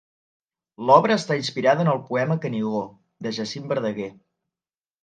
L'obra està inspirada en el poema Canigó, de Jacint Verdaguer.